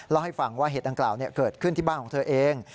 เล่าให้ฟังว่าเหตุดังกล่าวเกิดขึ้นที่บ้านของเธอเอง